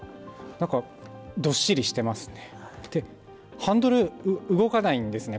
なんかどっしりしてますね。